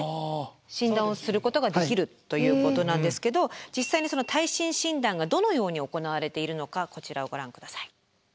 診断をすることができるということなんですけど実際にその耐震診断がどのように行われているのかこちらをご覧下さい。